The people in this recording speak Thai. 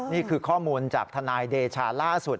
นี่คือข้อมูลจากทนายเดชาล่าสุด